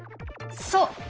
そう！